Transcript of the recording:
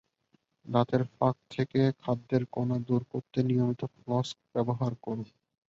দাঁতের ফাঁক থেকে খাদ্যের কণা দূর করতে নিয়মিত ফ্লস ব্যবহার করুন।